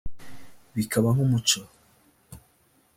bikaba nk’umuco